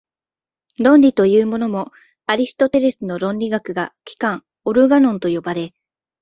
論理というものも、アリストテレスの論理学が「機関」（オルガノン）と呼ばれ、